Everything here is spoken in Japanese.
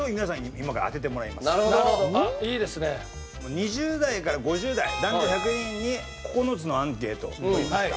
２０代から５０代男女１００人に９つのアンケートを取りました。